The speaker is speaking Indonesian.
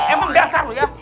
emang dasar lu ya